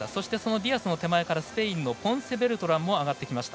ディアスの手前からスペインのポンセベルトランも上がってきました。